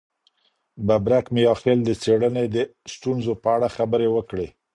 ببرک میاخیل د څېړني د ستونزو په اړه خبري وکړې.